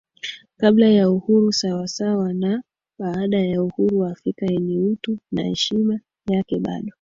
Kabla ya Uhuru sawasawana Baada ya UhuruAfrika yenye utu na heshima yake bado